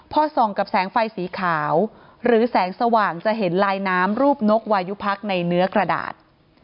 พอส่องกับแสงไฟสีขาวหรือแสงสว่างจะเห็นลายน้ำรูปนกวายุพักในเนื้อกระดาษ